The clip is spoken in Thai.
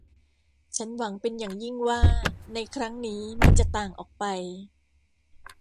ฉันหวังเป็นอย่างยิ่งว่าในครั้งนี้มันจะต่างออกไป